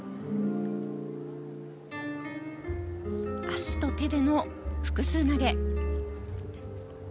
足と手での複数投げ。